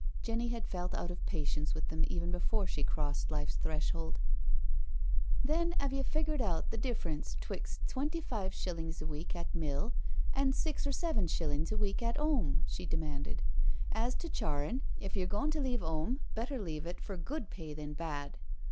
Jenny had felt out of patience with them even before she crossed life's threshold, "Then, 'ave you figured out the difference 'twixt twenty five shillings a week at mill, an' six or seven shillings a week at 'ome?" she demanded. " As to charrin', if you're goin' to leave 'ome, better leave it for good pay than bad.